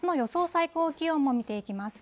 最高気温も見ていきます。